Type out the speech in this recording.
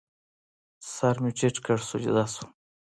سر مې ټیټ کړ، سجده شوم